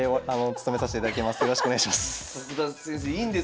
よろしくお願いします。